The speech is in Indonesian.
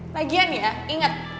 lagian ya ingat